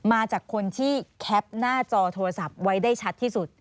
มาจากคนที่แคปหน้าจอโทรศัพท์ไว้ได้ชัดที่สุด